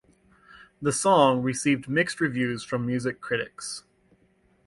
The song received mixed reviews from music critics.